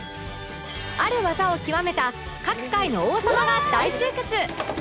ある技を極めた各界の王様が大集結